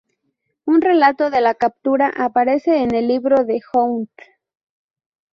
Un relato de la captura aparece en el Libro de Howth.